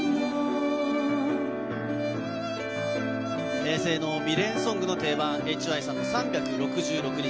平成の未練ソングの定番、ＨＹさんの３６６日。